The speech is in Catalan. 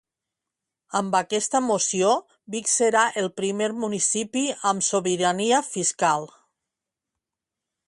Amb aquesta moció, Vic serà el primer municipi amb sobirania fiscal.